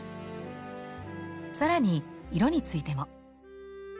更に色についても。